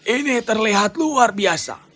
ini terlihat luar biasa